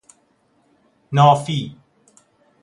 نافی